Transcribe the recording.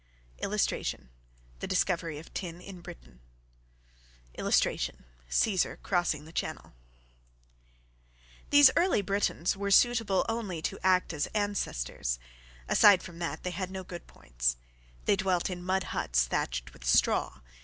[Illustration: THE DISCOVERY OF TIN IN BRITAIN.] [Illustration: CAESAR CROSSING THE CHANNEL.] These early Britons were suitable only to act as ancestors. Aside from that, they had no good points. They dwelt in mud huts thatched with straw.